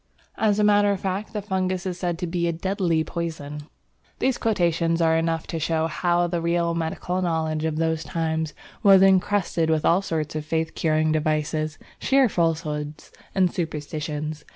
As a matter of fact the fungus is said to be a deadly poison. Cooke, British Fungi. These quotations are enough to show how the real medical knowledge of those times was encrusted with all sorts of faith curing devices, sheer falsehoods, and superstitions.